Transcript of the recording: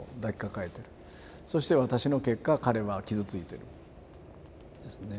そして私の結果彼は傷ついてるんですね。